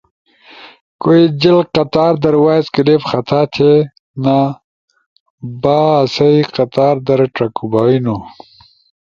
کوئی جل قطار در وائس کلپ خطا تھے نا باسہ قطار در چکو بہنُو۔